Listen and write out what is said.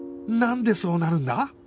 なんでそうなるんだ？